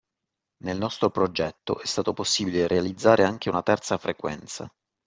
Nel nostro progetto è stato possibile realizzare anche una terza frequenza